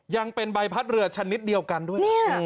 ยังเป็นใบพัดเรือชนิดเดียวกันด้วยนะ